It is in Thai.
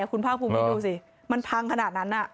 คุณพ่างพูนไปดูซิมันพังขนาดนั้น